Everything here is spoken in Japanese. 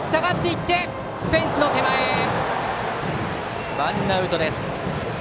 フェンスの手前でとってワンアウトです。